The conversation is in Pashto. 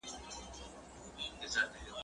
په ډبره غوړي کوي؟